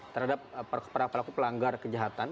terhadap para pelaku pelanggar kejahatan